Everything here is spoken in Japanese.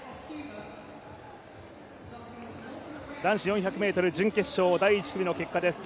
男子４００ｍ準決勝第１組の結果です。